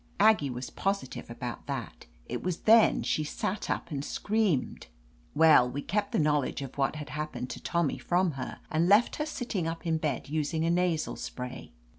Aggie was positive about that. It was then she sat up and screamed. Well, we kept the knowledge of what had happened to Tommy from her, and left her sitting up in bed using a nasal spray.